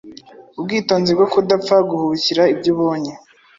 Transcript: Ubwitonzi bwo kudapfa guhubukira ibyo ubonye